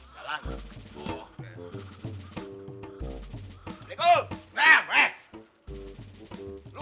zaman sekarang itu